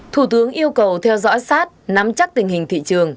thủ tướng yêu cầu theo dõi sát nắm chắc tình hình thị trường